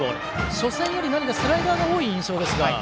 初戦よりスライダーが多い印象ですが。